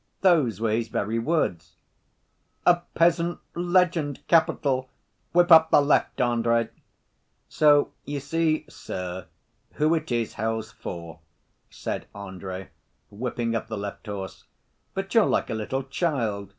Those were His very words ..." "A peasant legend! Capital! Whip up the left, Andrey!" "So you see, sir, who it is hell's for," said Andrey, whipping up the left horse, "but you're like a little child